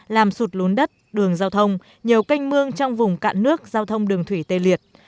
làm sụt lún đất đường giao thông nhiều canh mương trong vùng cạn nước giao thông đường thủy tê liệt